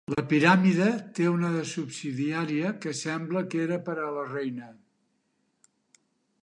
La piràmide té una de subsidiària que sembla que era per a la reina.